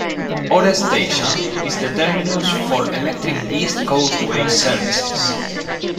Ore station is the terminus for electric East Coastway services.